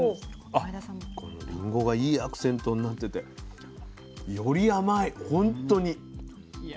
このリンゴがいいアクセントになっててより甘いほんとに。